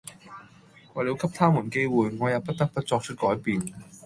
為了給他們機會、我也不得不作出改變！